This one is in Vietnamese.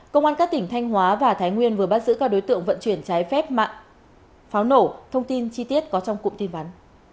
công an các tỉnh thanh hóa và thái nguyên vừa bắt giữ các đối tượng vận chuyển trái phép mạng pháo nổ thông tin chi tiết có trong cụm tin vắn